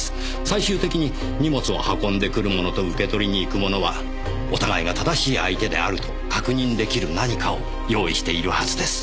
最終的に荷物を運んでくる者と受け取りに行く者はお互いが正しい相手であると確認出来る何かを用意しているはずです。